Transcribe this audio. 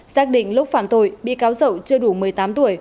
xác định lúc phạm tội bị cáo dậu chưa đủ một mươi tám tuổi